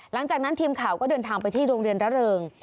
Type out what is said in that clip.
หลังจากนั้นทีมข่าวก็เดินทางไปที่โรงเรียนระเริง